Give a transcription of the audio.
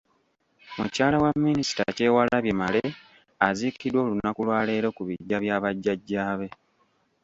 Mukyala wa Minisita Kyewalabye Male aziikiddwa olunaku lwaleero ku biggya bya bajjajja be.